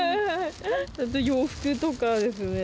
洋服とかですね。